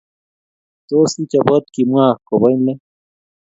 Tos ichobotu kimwa ko bo ile